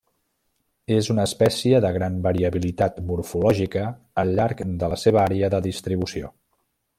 És una espècie de gran variabilitat morfològica al llarg de la seva àrea de distribució.